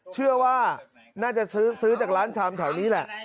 เชื่อว่าน่าจะซื้อจากร้านชามแถวนี้แหละ